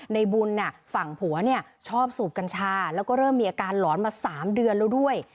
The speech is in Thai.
ในบุญฝั่งผัวเนี่ยชอบสูบกัญชาแล้วก็เริ่มมีอาการหลอนมา๓เดือนแล้วด้วย